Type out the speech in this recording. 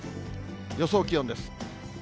予想気温です。